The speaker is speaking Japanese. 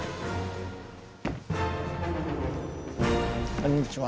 こんにちは。